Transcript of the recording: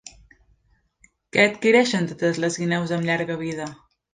Què adquireixen totes les guineus amb llarga vida?